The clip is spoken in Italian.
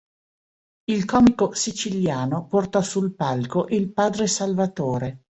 Il comico siciliano portò sul palco il padre Salvatore.